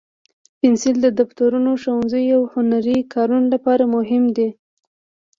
پنسل د دفترونو، ښوونځیو، او هنري کارونو لپاره مهم دی.